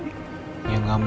ya gak mungkin rara